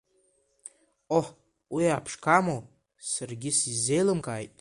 Ҟоҳ, уи аԥшқамоу, саргьы исзеилымкааит!